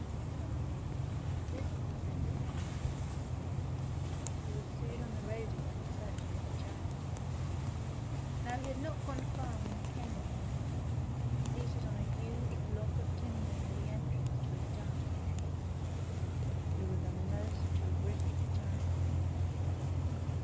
i V ' This, however, did not satisfy our hero, who was soon on the road again searching for giants. Now he had not ' gone far when he came upon one, seated on a huge block \ of timber near the entrance to a dark cave. He was a most terrific giant.